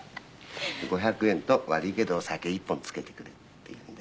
「５００円と悪いけど酒１本つけてくれ」って言うんで。